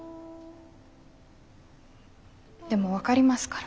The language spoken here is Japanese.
でも分かりますから。